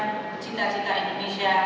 dan mewujudkan cita cita indonesia